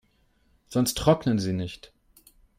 Sonst trocknen sie nicht.